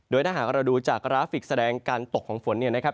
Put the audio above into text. โดยถ้าหากเราดูจากกราฟิกแสดงการตกของฝนเนี่ยนะครับ